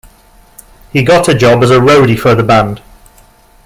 He got a job as a roadie for the band.